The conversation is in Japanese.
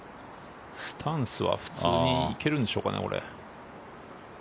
スタンスは普通に行けるんでしょうかね。